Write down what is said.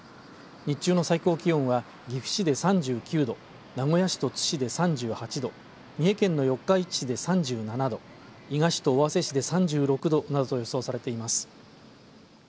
日中の最高気温は岐阜市で３９度名古屋市と津市で３８度三重県の四日市市で３７度伊賀市と尾鷲市で３６度などと予想されています。